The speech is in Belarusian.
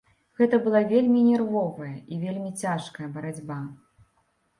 Гэта была вельмі нервовая і вельмі цяжкая барацьба.